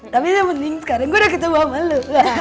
tapi yang penting sekarang gue udah ketemu sama lo